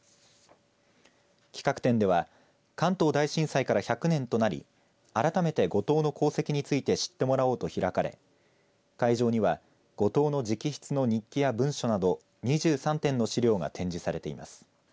企画展では関東大震災から１００年となり改めて後藤の功績について知ってもらおうと開かれ会場には後藤の直筆の日記や文書など２３点の資料が展示されています。